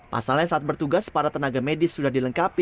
pasalnya saat bertugas para tenaga medis sudah dilengkapi